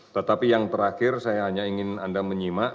tetapi yang terakhir saya hanya ingin anda menyimak